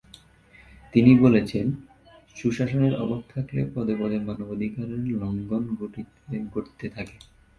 তিনি বলেছেন, সুশাসনের অভাব থাকলে পদে পদে মানবাধিকারের লঙ্ঘন ঘটতে থাকে।